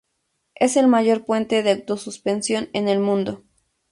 Es el mayor puente de auto-suspensión en el mundo.